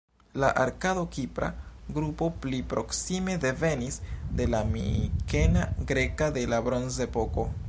La arkado-kipra grupo pli proksime devenis de la mikena greka de la Bronzepoko.